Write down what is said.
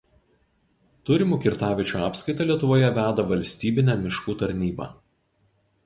Turimų kirtaviečių apskaitą Lietuvoje veda Valstybinė miškų tarnyba.